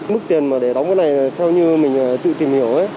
mức tiền để đóng cái này theo như mình tự tìm hiểu